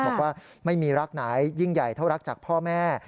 บอกว่าไม่มีรักไหนยิ่งใหญ่เท่ารักจากพ่อแม่